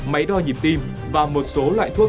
máy đo nhịp tim và một số loại thuốc